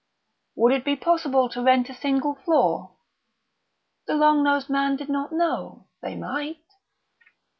"Would it be possible to rent a single floor?" The long nosed man did not know; they might....